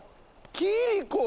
キリコ！